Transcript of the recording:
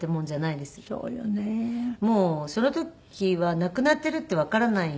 もうその時は亡くなっているってわからない。